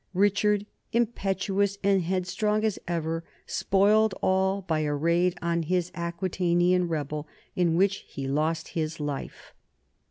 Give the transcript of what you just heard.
Richard, impetuous and headstrong as ever, spoiled all by a raid on an Aquitanian rebel in which he lost his life.